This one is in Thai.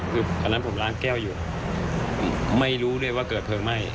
คือตอนนั้นผมล้างแก้วอยู่ไม่รู้ด้วยว่าเกิดเพลิงไหม้